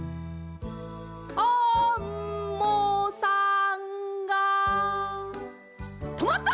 アンモさんがとまった！